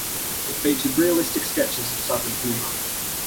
It featured realistic sketches of Southern humor.